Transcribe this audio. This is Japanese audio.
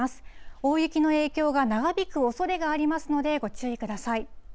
大雪の影響が長引くおそれがありますので、ご注意ください。